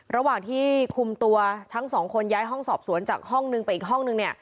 ระหว่างที่คุมตัวทั้งสองคนย้ายห้องสอบสวนจากห้องนึงไปอีกห้องนึงเนี่ย